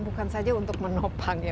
bukan saja untuk menopang ya